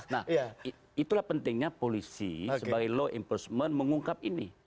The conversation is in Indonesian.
nah itulah pentingnya polisi sebagai law enforcement mengungkap ini